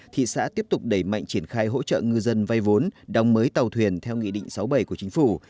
thị xã tiếp tục đẩy mạnh triển khai hỗ trợ ngư dân vay vốn đóng mới tàu thuyền theo nghị định sáu mươi bảy của chính phủ